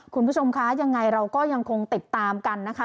คุณผู้ชมคะยังไงเราก็ยังคงติดตามกันนะคะ